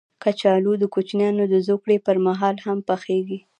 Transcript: کچالو د کوچنیانو د زوکړې پر مهال هم پخېږي